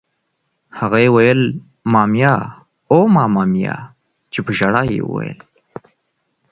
هغه یې ویل: مامیا! اوه ماما میا! چې په ژړا یې وویل.